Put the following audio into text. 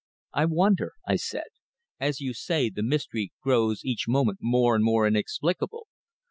"I wonder," I said. "As you say, the mystery grows each moment more and more inexplicable.